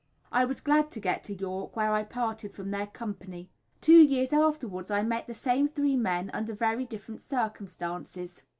I was glad to get to York, where I parted from their company. Two years afterwards I met the same three men under very different circumstances.